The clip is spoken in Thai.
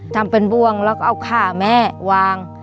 ทำเป็นบ้วงแล้วก็เอาขาแม่วาง